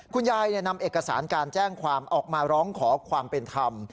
คุณยายนำเอกสารการแจ้งความออกมาร้องขอความเป็นธรรม